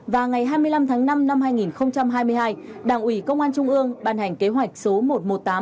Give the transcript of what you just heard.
và ngày hai mươi năm tháng năm năm hai nghìn hai mươi hai đảng ủy công an trung ương ban hành kế hoạch số một trăm một mươi tám